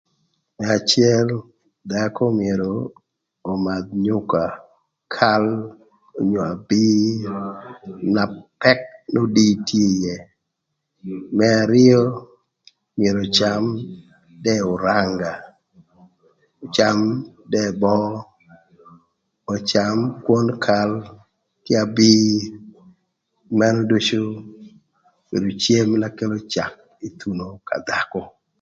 Më acël dhakö myero ömadh nyuka, kal onyo abir na pëk n'odii tye ïë. më arïö myero öcam dëë öranga, öcam dëë böö, öcam kwon kal, ka abir manu ducu obedo cem na kelo cak ï thuno ka dhakö.